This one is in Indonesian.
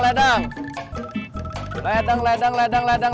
ledang ledang ledang ledang ledang